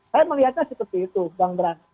saya melihatnya seperti itu bang bram